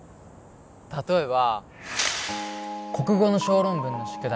例えば国語の小論文の宿題